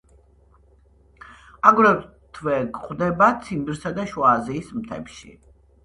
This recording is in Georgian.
აგრეთვე გვხვდება ციმბირსა და შუა აზიის მთებში.